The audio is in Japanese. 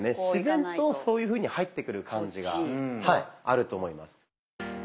自然とそういうふうに入ってくる感じがあると思います。